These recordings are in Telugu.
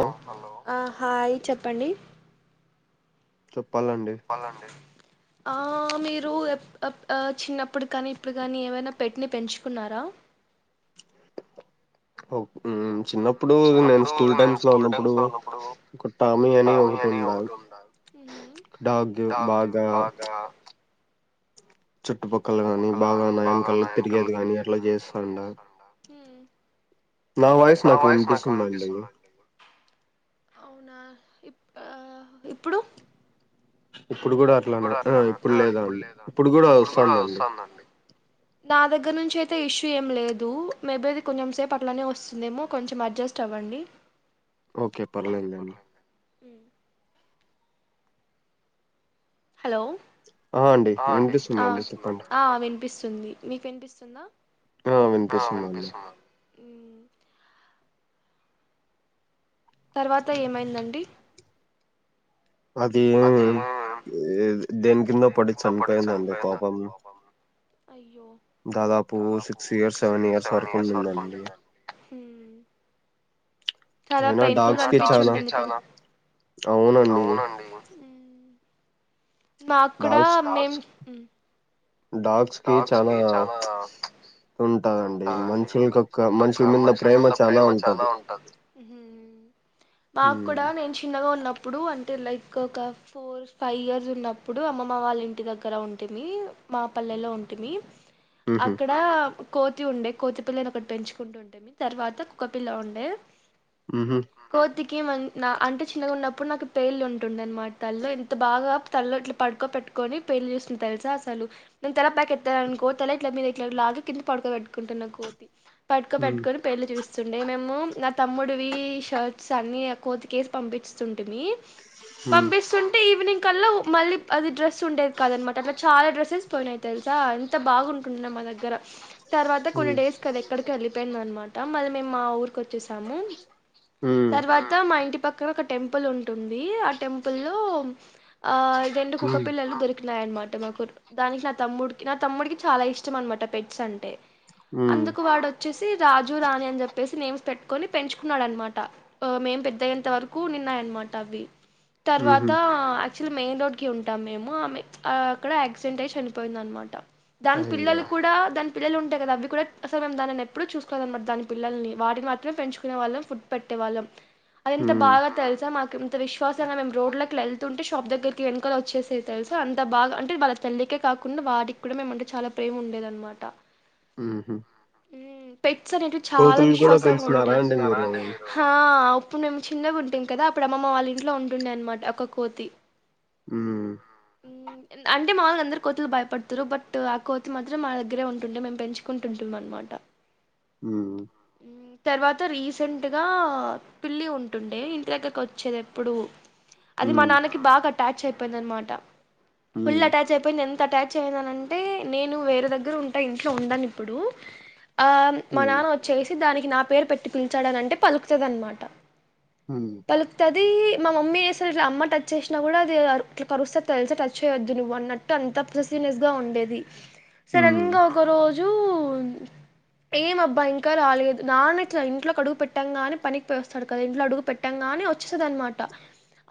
ఆ హాయ్ చెప్పండి చెప్పాలండి చెప్పాలండి ఆ మీరు చిన్నప్పుడు కానీ ఇప్పుడు కాని ఏమైనా పెట్టిని పెంచుకున్నారా అవు చిన్నప్పుడు నేను స్కూల్ టైమ్స్ లో ఉన్నప్పుడు ఒక టామీ అని ఒకటి ఉందా డాగ్ బాగా చుట్టుపక్కల కాని బాగాన్నాయనకల్లా తిరిగేది కాగాని అట్లా చేస్తాండ నా వయిస్ నాకు వినిపిస్తుందండి అవునా ఇ ఇప్పుడు ఇప్పుడు కూడా అట్లానే ఆ ఇప్పుడు లేదా అండి ఇప్పుడు కూడా వస్తుందండి నా దగ్గర నుంచి అయితే ఇష్యూ ఏం లేదు మేబీ అది కొంచెం సేపు అట్లానే వస్తుందేమో కొంచెం అడ్జస్ట్ అవ్వండి ఓకే పణంద అండి ఉ హలో ఆ అండి వినిపిస్తుందండి చెప్పండి వినిపిస్తుంది మీకుెనిపిస్తుందా ఆ వినిపిస్తుందండి అ తర్వాత ఏమైందండి అది దేని కింద పడి చనిపోయిందండి పాపం అయ్య దాదాపు సిక్స్ ఇయర్స్ సెవెన్ ఇయర్స్ వరకు ఉంటనదండి చాలా అయినా పెయిన్ ఫుల్ గా డాగ్స్ కి చాలా అనిపించిుంది అవునండి మా కూడాడా డాగ్స్ మేం డాగ్స్ కి చాలా ఉంటందండి మనుషులకిక్క మనుషుల మీిద ప్రేమ చాలా ఉంటది మాకు హ్మ్ కూడా నేను చిన్నగా ఉన్నప్పుడు ప్పుడు అంటే లైక్ ఒక ఫోర్ ఫైవ్ ఇయర్స్ ఉన్నప్పుడు అమ్మమ్మ వాళ్ళ ఇంటి దగ్గర ఉంటేంది మా పల్లెలో ఉంటుంది హుహు అక్కడ కోతి ఉండే కోతి పిల్లని ఒకటి పెంచుకుంటు ఉంటే మీ తర్వాత కుక్కపిల్ల ఉండే ఉహ ఇకేమ నా అంటే చిన్నగా ఉన్నప్పుడు నాకు పెేళ్ళి ఉంటుంది అనమాట తల్ల్లో ఇంత బాగా తల్లో ఇట్లా పడుకో పెట్టుకొని పెళ్ళి చూస్తుంది తెలుసా అసలు నేను తెల ప్యాక్త్తాను అను కోతల ఇట్లా మీరు ఇట్లా లాగా కింద పడుకో పెట్టుకుంటున్నా కోతి పట్క హ్మ్ పెట్టుకుని పెళ్ళలి చూస్త వస్తుండే మేము నా తమ్ముడివి షర్ట్స్ అన్ని కోతికేసి పంపింట హ్మ్ పంపిస్తుంటే ఈవినింగ్ కల్లా మళ్ళీ అది డ్రస్ ఉండేది కాదనమాట అట్లా చాలా ఫోన్ అయితల్సా అంత బాగుంటంది అన్నమ దగ్గర తర్వాత కొన్ని హ్మ్ డేస్ కదా ఎక్కడికి వెళ్ళిపోయింది అనమాట మళ్ళీ మేము మా ఊరిక వచ్చేసాము హ్మ్ తర్వాత మా ఇంటి పక్కన ఒక టెంపుల్ ఉంటుంది ఆ టెంపుల్ లో ఆ ఇ రెం కు హ్మ్ కప్పల్ అ దొరి డ్మాట మాకు దానికి నా తమ్ముడికి నా తమ్ముడికి చాలా ఇష్టం అనమాట పెట్స్ అంటే హ్మ్ అందుకు వాడు వచ్చేసి రాజు రాణి అని చెప్పేసి నేమ్స్ పెట్టుకొని పెంచుకున్నాడనమాట మేము పెద్దయ్యంత వరకు ఉనిన్నాయనమాట అవ్వి తర్వాత హుహు యాక్చుల్లీ మెయిన్ రోడ్ కి ఉంటా ఆ మే అక్కడ ఆక్స క్సిడెంట్ అయి చనిపోయిందనమాట దాని అయ్యో! పిల్లలు కూడా దాన్ పిల్లలు ఉంటాయి అవి కూడా అసలు మేం దనిన్న ఎప్పుడ చూసుకోవాల అన్నమాట దని పిల్లల్ని వాటిని మాత్రమే పెంచుకునే వాళ్ళం ఫుడ్ పెట్టేవాళ్ళం అది ఎంత హ్మ్ బాగా తెలుసా మాక్ ఇంత విశ్వాసంగా మేము రోడ్ల అట్లా వెళ్తుంటే షాప్ దగ్గరకి వెనుకాల వచ్చేసేవీ తెలుసా అంత బాగ అంటే వ తల్లికే కాకుండా వాటికి కూడా మేమంటే చాలా ప్రేమ ఉండేదనమాట ఉహు పెట్స్ అనేటివి చాలా విశ్వాసంగా పెంచినారా ఉంటయి అండి మీరు? హా అవును అప్పుడు మేం చిన్నగుంటిం కదా అప్పుడు అమ్మమ్మ వాళ్ళ ఇంట్లో ఉంటుండే అనమాట ఒక కోతి ఉ అం టే మాళ్ళ అందరు కోతులు భయపడుతారు బట్ ఆ కోతి మాత్రం మా దగ్గరే ఉంటుండే మేము పెంచుకుంటుంటాం అనమాట హ్మ్ తర్వాత రీసెంట్గా పిల్లి ఉంటుండే ఇంటి దగ్గరకి వచ్చేది ఎప్పుడు అది మా హ్మ్ నాన్నకి బాగా కట్ట టచ్ అయిపోయిందనమాట ఫుల్ హ్మ్ అటాచ్ అయిపోయింది ఎంత అటాచ్ అయిందనంటే నేను వేరే దగ్గర ఉంటా ఇంట్లో ఉంను ఇప్పుడు ఆ మా హ్మ్ నాన్న వచ్చేసి దాని నా పేరు పెట్టి పిలిచాడని అంటే పలుకుతద అనమాట హ్మ్ పలుకుతాద్ అది మా మమ్మీసలు ఇ అమ్మ టచ్ చేసినా కూడా అది ఇట్లా కరుస్తది తెలుసా టచ్ చేయొద్దు నువ్వు అన్నట్టు అంత ప్రసీనెస్ గా ఉండేది సడన్ హ్మ్ గా ఒక రోజు జు ఏం అబ్బాయి ఇంకా రాలేదు నాన్న ఇట్లా ఇంట్లోకి అడుగు పెట్టాంగా ని పనికి పో వస్తాడు కదా ఇంట్లో అడుగు పెట్టాంగా అని వచ్చేసదనమాట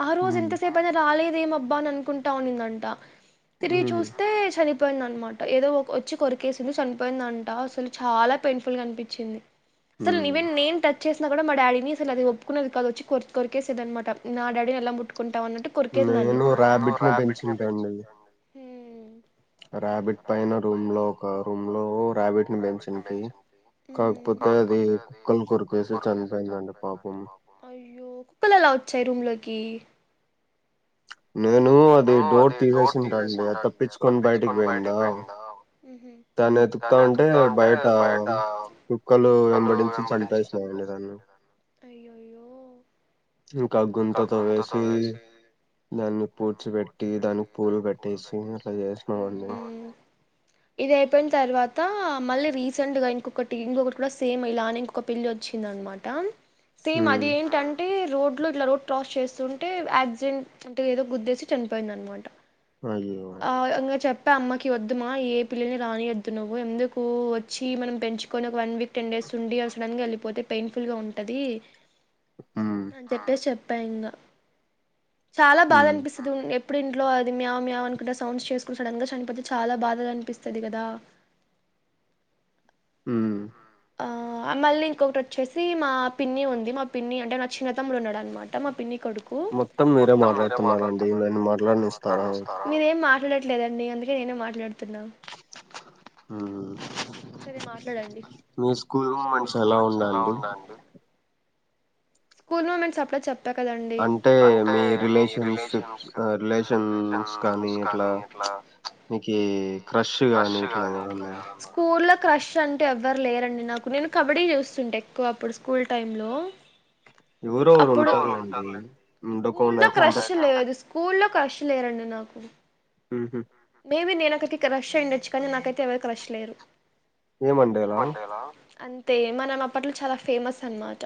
ఆ రోజు హ్మ్ ఎంత సేపైనారాలే దెం అబ్బా అనుకుంటా ఉనిందం టా తిరిగి హ్మ్ చూస్తే చని పోయిందనమాట ఏదో వచ్చి కొరికేసింది చనిపోయిందంట అసలు చాలా పెయిన్ఫుల్ గా అనిపించింది అసల్ హ్మ్ ఈవెన్ నేన్ ట చేసిన కూడా మా డాడీని అసలీ అది ఒప్పుకునేది కాదు వచ్చ కొ కొరికేసేది అనమాట నా డాడీని ఎలా ముట్టుకొని అన్నట్టు కొరికేది నేను రాబిట్ ని పెంచుంటాండి. ంటండి ఉమ్, ర్యాబిట్ పైన రూమ్ లో ఒక రూమ్ లో ర్యాబిట్ ని పెంచింటి కాకపోతే అది కుక్కలు కొరికేసి చనిపోయిందండి పాపం అయ్యో కుక్కలెలా వచ్చాయి రూమ్ లోకి. నేను అది డోర్ తీసేసింటాంటె అది తప్పించుకొని బయటికి పోయిందా, దాన్ని వెతుకుతా ఉంటే బయట కుక్కలు వెంబడించి చంపేసినాయండి దాన్ని, అయ్యోయ్యో ఇంకా గుంత తవ్వేసి పెట్టేసి అట్లా చేసినామండి ఉమ్, ఇదైపోయిన తర్వాత మళ్ళీ రీసెంట్ గా ఇంకొకటి, ఇంకొకటి కూడా సేమ్ ఇలానే, ఇంకొక పిల్లి వచ్చిందనమాట. సేమ్ ఉమ్ అది ఏంటంటే రోడ్ లో ఇట్లా రోడ్ క్రాస్ చేస్తుంటే యాక్సిడెంట్ ఏదో గుద్దేసి చనిపోయిందనమాట. అయ్యో ఆ అంగ చెప్ టె అమ్మకి వద్దుమా ఏ పిల్లల్ని రానియద్దు నువ్వు, ఎందుకు వచ్చి మనం పెంచుకొని ఒక వన్ వీక్ టెన్ డేస్ ఉండి అ సడన్గా వెళ్ళిపోతే పెయిన్ఫుల్గా ఉంటుంది. ఉమ్ అని చెప్పేసి చెప్ పెంగా చాలా బాధ ఉమ్ అనిపిస్తది. అప్పుడు ఇంట్లో అది మ్యావ్ మ్యావ్ అనుకుంట సౌండ్స్ చేసుకుం సడన్గా చనిపోతే చాలా బాధగా అనిపిస్తది కదా. ఉమ్ ఆ మళ్ళీ ఇంకొకటి వచ్చేసి మా పిన్ని ఉంది, మా పిన్ని అంటే నా చిన్నతమ్ముడు ఉన్నడు అనమాట, మా పిన్ని కొడుకు మొత్తం మీరే మాట్లాడుతున్నారండి నన్ను మాట్లాడనిస్తారా మీరేం మా మాట్లాడట్లేదండి అందుకే నేనే మాట్లాడుత్ ఇత్తనా సరే మాట్లాడండి మీ స్కూల్ మూమెంట్స్ ఎలా ఉండండి స్కూల్ మూమెంట్స్ అప్పుడే చెప్ అంటే మీ రిలేషన్స్ప్ రిలేషన్స్ కానీ ఇట్లా, ప్చ్ మీ క్రష్ కానీ ఇట్లా ఏదన్న స్కూల్ల్లో క్రష్ అంటే ఎవ్వరు లేరండి నాకు, నేను కబడ్డీ చూస్తుంటే ఎక్కువ అప్పుడు స్కూల్ టైమ్ లో. ఎవరో ఒకరు ఉంటారులేండి, ఉండకొండ స్కూల్లో అయితే అంటే క్రష్ లేదు స్కూల్లో క్రష్ లేరండి నాకు. హ్మ్ మే బి నేను ఒకరికి క్రష్ ఉండచ్చు కానీ, నాకైతే ఎవరరు క్రష్ లేరు. ఏమండేలా అంతే మనం అప్పట్లో చాలా ఫేమస్ అన్నమాట.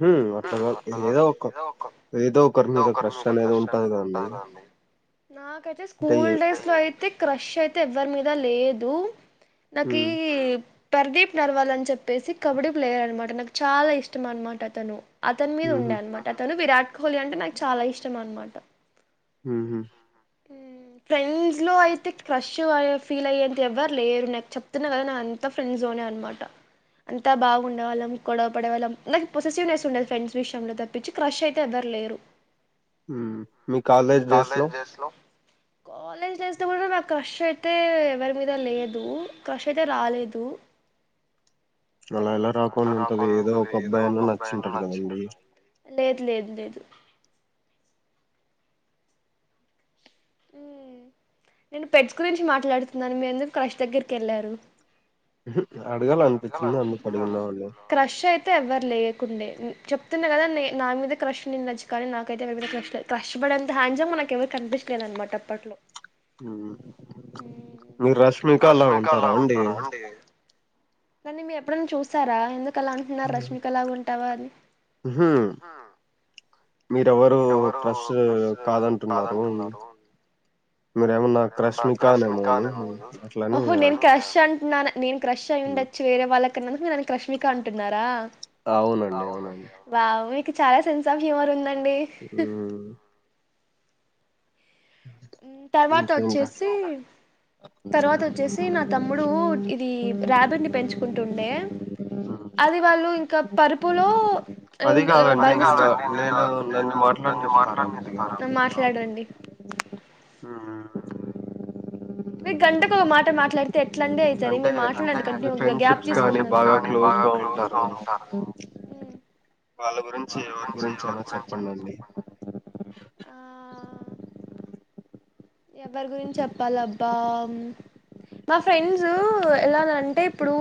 హ్మ్ అట్లా కాదు, ఏదో ఒక ఏదో ఒకరి మీద క్రష్ అనేది ఉంటది కదండి. నాకైతే అంటే స్కూల్ ఏ డేస్ లో అయితే క్రష్ అయితే ఎవ్వరి మీద లేదు. నాకి ప్రర్దీప్ నర్వాల్ అని చెప్పేసి కబడ్డీ ప్లేయర్ అన్నమాట నాకు చాలా ఇష్టం అన్నమాట అతను అతని మీద ఊహూ ఉండే అన్నమాట అతను విరాట్ హోలీ అంటే నాకు చాలా ఇష్టం అన్నమాట హూహు ఫ్రెండ్స్ లో అయితే క్రష్ ఫీల్ అయ్యేంత ఎవ్వరు లేరు నాకు చెప్తున్నా కదా నా అంతా ఫ్రెండ్స్ లోనే అన్నమాట అంతా బాగుండవాళ్ళం గొడవ పడే వాళ్ళం నాకు పొసిసివ్నెస్ ఉండేదు ఫ్రెండ్స్ విషయంలో తప్పించి క్రష్ అయితే ఎవ్వరు లేరు మీ కాలేజ్ డేస్ లో కాలేజ్ డేస్ లో కూడా నాకు క్రష్ అయితే ఎవరి మీద లేదు క్రష్అయితే రాలేదు అలా ఎలా రాకుండా ఉంటది ఏదో ఒక అబ్బాయి అయినా నచ్చింటాడు కదండి లేదు లేదు లేదు ఆ నేను పెట్స్ గురించి మాట్లాడుతున్నాను మీరు ఎందుకు క్రష్ దగ్గరికి వెళ్ళారు ఇ క్రష్ అయితే ఎవ్వరు లేరు ండే చెప్తున్నా కదా నా మీద క్రష్ ఉండి ండోచ్చు కానీ నాకైతే ఎవరి మీద క్రష్ లేదు క్రష్ పడేంత హ్యాండ్స్మనాకు ఎవరు కనిపించలేదు అన్నమాట అప్పట్లో హ మ్మ్. మీరు రష్మిక లా ఉంటారా అండి కానీ మీరు ఎప్పుడైనా చూసారా ఎందుకు కలా అంటున్నారు రష్మి కలా గుంట టవల్ హు మ్ మీరెవరు క్రష్ కాదంటున్నారు మీరు ఏమన్నా క్రష్మికానే ఏమోని అట్లని నా నేను క్రష్ అయి మ్మ్. ఉండొచ్చు వేరేవాళ్ళకి అక్కడకు మీరునికికి [unintelligible] రష్మిక అంటన్నారా అవునండి అవునండి చాల సెన్స్ ఆఫ్ హ్యూమర్ ఉందండి ఉమ్ తర్వాత ఇంకేంట వచ్చేసి తర్వాత వచ్చేసి నా తమ్ముడు ఇది రాబిట్ పెంచుకుంటుండే అది వాళ్ళు ఇంకా పరుపులో అది కాదండి నేను నేను నన్ను మాట్లాడనిస్తారా కొద్దిగా మాట్లాడండి హూమ్ మీరు గంటకు ఓ మాట మా మాట్లాడితే ఎట్లాండి అయితది అంటే మీరు మాట్లాడకండి మీ కంటిన్యూ గా గ్యాప్ ఫ్రెండ్షిప్స్ కానీ తీసుకొని బాగా క్లోజ్ గా ఉంటారు కదా వాళ్ళ గురించి ఎవరి గురించి ఐన చెప్పండి ఎవరి గురించి చెప్పాలబ్బా మా ఫ్రెండ్స్ ఎలానంటే ఇప్పుడు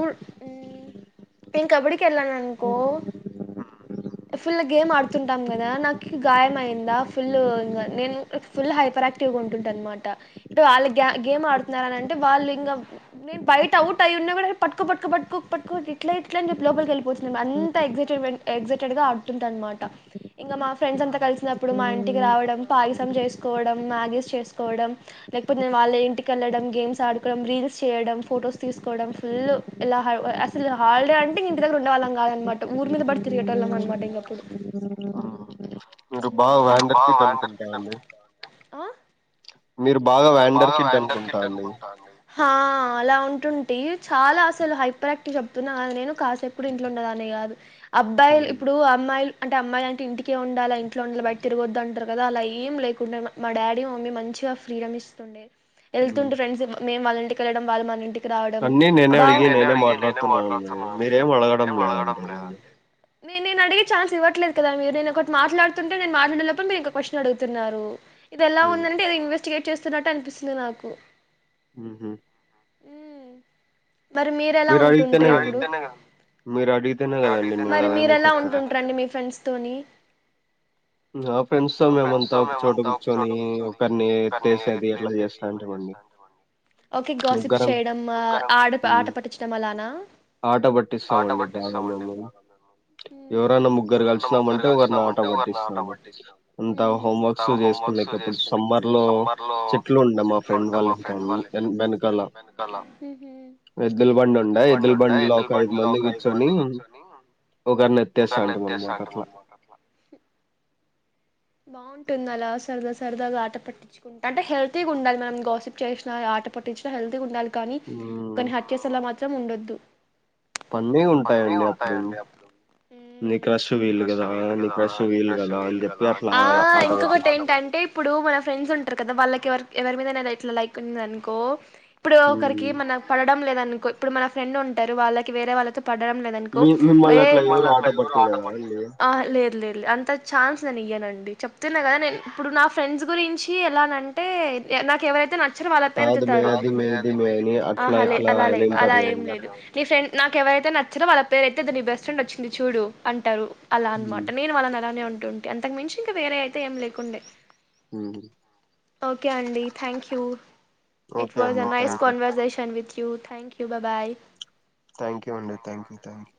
నేను కబడ్డీకి వెళ్ళాను అనుకో ఫుల్ గేమ్ ఆడుతుంటాం కదా నాకు గాయం అయిందా ఫుల్ నేను ఫుల్ హైపర్ యాక్టివ్గా ఉంట అన్నమాట వాళ్ళు గేమ్ ఆడుతున్నారంటే వాళ్ళు ఇంగ నేను బయట అవుట్ అయిన్నా పట్టుకో పట్కోట్ట్ ఇట్ల ఇట్ల చెప్పి లోపలికి వెళ్పోతుంది అంతే ఎక్సైట్ డ్ గా ఆడుతుంట అన్నమాట ఇంకా మా ఫ్రెండ్స్ అంత కలిసినప్పుడు మా ఇంటికి రావడం పాయసం చేసుకోవడం మ్యాగీస్ కోవడం లేకపోతే నేను వాళ్ళ ఇంటిక వెళ్లడం గేమ్స్ ఆడుకోవడం రీల్స్ చేయడం ఫొటోస్ తీసుకోవడం ఫుల్ ఇలా అసలు హాలిడే అంటే ఇంటి దగ్గర ఉండే వాళ్ళం కాదన్నమాట ఊరి మీద పడి తిరిగేటి వాళ్ళం అన్నమాట ఇంకప్పుడు మీరు బాగా వ్యాండర్ కిడ్ అనుకుంటా అండి ఆ మీరు బాగా వ్యాండర్ కిడ్ అనుకుంటా అండి హా అలా ఉంటున్ టి చాలా అసలు హైపర్క్టివ్ చెప్తున్నా కద నేను కాసేపుడు ఇంట్లో ఉండడే దాన్ని కాదు. అబ్బాయిల్ ఇప్పుడు అమ్మాయిల్ అంటే అమ్మాయిలు అంటే ఇంటికె ఉండాల, ఇంట్లో ఉండాలి బయట తిరగొద్దు అంటారు కదా అలా ఏం లేకుండా మా డాడీ మమ్మీ మంచిగా. ఫ్రీడమ్ ఇస్తుండే వెళ్తుంటీ ఫ్రెండ్స్ మేము వాళ్ళంటి కెళ్ళడం వాళ్ళు మనంటి అన్నీ నేనే అడిగి నేనే మాట్లాడుతున్నా అండి మీరేం అడగడం లేదండి నన్ను నేన్ నడిగే ఛాన్స్ ఇవ్వట్లేదు కదా మీర్, నేను ఒకటి మాట్లాడుతుంటే నేను మాట్లాడే లోప్ మీరోక క్వశ్చన్ అడుగుతున్నారు. ఇది ఎలా ఉందంటే ఇది ఇన్వెస్ టికెట్ చేస్తున్నట్టు అనిపిస్తుంది నాకు హు హ్మ్ ఉమ్ మరి మీరెలా మీరు ఉంటుంటి అడిగితేనే రీ అప్పుడు, కదండి మీరు అడిగితేనే కదండి నేను మరి ఏదైనా మీరెలా చెప్పేది ఉంటుంటరండి మీ ఫ్రెండ్స్ తోని. ఆ ఫ్రెండ్స్ తో మేమంతా ఒకచోట కూర్చొని ఒకరిని ఎత్తేసేది ఎట్లా చేస్తాంటిమండి ఓకె గాసిప్స్ ముగ్గురం చేయడం, ఆట పట్టించడం అలా నా ఆట పట్టిస్తామండి బాగా మేము ఎవరైనా హ్మ్ హమ్ అంత హోమ్ వర్క్స్ చేసున్నాకెప్పుడు సమ్మర్ లా సమ్మర్ లో చెట్లు ఉండ మా ఇంటి ఫ్రెండ్ వాళ్ళ ఇంట్ల వెన్- వెనకాల వెనకాల ఎద్దుల బండి ఉండే ఎద్దుల బండి ఉండ బండిలో ఎద్దుల ఒక ఐదు బండిలో మంది ఒక ఐదు కూర్చొని మంది కూర్చొని ఒకరిని ఎత్తేస్తా ఒకరిని అంటాం ఎత్తేస్తా అనమాట అంటామీ అట్లా అనమాట అట్లా బాగుంటుంది అలా సరదా సరదాగా ఆట పట్టించుకుంటా, అంటే హెల్తీగా ఉండాలీ, మనం గోసిప్ చేసినా ఆట పట్టించిన హెల్తీగా ఉండాలి. కానీ ఉమ్, ఒకని హత్య సల మాత్రం ఉండద్ టు పన్నిగ్ ఉంటాయండి, అప్పుడు నీ క్రష్ వీళ్లు గదా, నీ క్రష్ వీళ్లు గదా అని చెప్పి అట్లా. ఆ ఆడ ఆట ఇంకొకటి పట్టేస్తాం ఏంటంటే ఇప్పుడు మన ఫ్రెండ్స్ ఉంటర్ కదా వాళ్ళక్ కేవర్క్ ఎవరి మీదైన ఇట్లా లైక్ ఉందన్కో ఇప్పుడు ఉమ్. ఒకరికి మనం పడడం లేద అనుకో ఇప్పుడు మన ఫ్రెండ్ ఉంటారు వాళ్ళకి వేరే వాళ్ళతో పడడం లేదనుకో మీ మిమ్మల్ని ఏ అట్లా ఎవరు ఆట పట్టలేదా అండి అ లేద్ లేద్ ల అంత ఛాన్స్ నేను ఇయ్యనన్ చెప్తున్నా గదా నేన్ ఇప్పుడు నా ఫ్రెండ్స్ గురించి ఎలా నంటే నాకు ఎవరైతే నచ్ చ్చార్ వాళ్ల పెర్ కాదు మే ఎత్తుతారు అది మే ఇది మే అని అట్లా ఆహా లె ఇట్లా అలా లే అని అంటారు అలా ఏం కదండి లేదు నీ ఫ్రెంన్ నాకు ఎవరైతే నచ్చారో వాళ్ళ పేర్ ఎత్తు ద్ నీ బెస్ట్ ఫ్రెండ్ వచ్చింది చూడు అంటారు అలా అనమాట ఉమ్, నేను వాళ్లని అలానే ఉన్ తుంటే అంతక్ మించ్ ఇంకా వేరే అయితే ఏం లేకుండే హ్మ్మ్ ఓకే అండి thank you it okay was అండి a nice thank you conversation with you thank you బా బాయ్ థ్యాంక్ యూ అండి థ్యాంక్ యూ థ్యాంక్